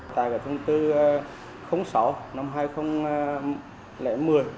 tại thông tư sáu năm hai nghìn một mươi